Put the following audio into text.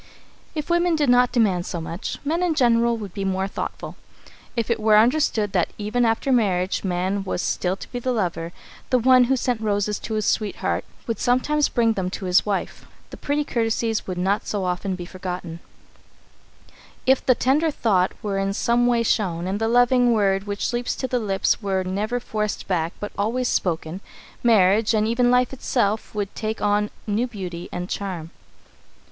If women did not demand so much, men in general would be more thoughtful. If it were understood that even after marriage man was still to be the lover, the one who sent roses to his sweetheart would sometimes bring them to his wife. The pretty courtesies would not so often be forgotten. [Sidenote: The Tender Thought] If the tender thought were in some way shown, and the loving word which leaps to the lips were never forced back, but always spoken, marriage and even life itself would take on new beauty and charm.